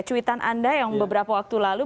cuitan anda yang beberapa waktu lalu